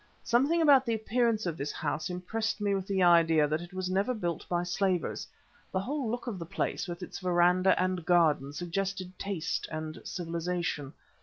Something about the appearance of this house impressed me with the idea that it was never built by slavers; the whole look of the place with its verandah and garden suggested taste and civilisation.